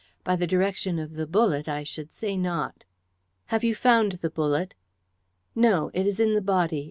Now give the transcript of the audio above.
"By the direction of the bullet, I should say not." "Have you found the bullet?" "No, it is in the body.